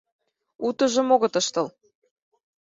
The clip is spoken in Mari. Утыжым огыт ыштыл.